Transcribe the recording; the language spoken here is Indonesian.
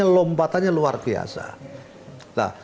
lompatannya luar biasa